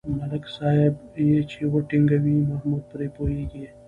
ملک صاحب یې چې و ټنگوي محمود پرې پوهېږي.